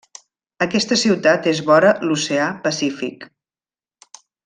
Aquesta ciutat és vora l'Oceà Pacífic.